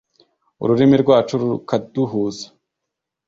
ururimi rwacu rukaduhuza